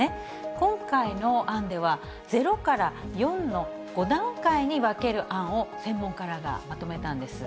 今回の案では、０から４の５段階に分ける案を専門家らがまとめたんです。